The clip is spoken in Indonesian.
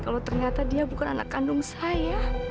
kalau ternyata dia bukan anak kandung saya